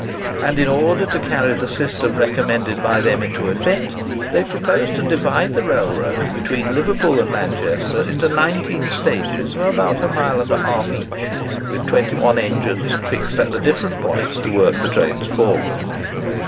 And, in order to carry the system recommended by them into effect, they proposed to divide the railroad between Liverpool and Manchester into nineteen stages of about a mile and a half each, with twenty one engines fixed at the different points to work the trains forward.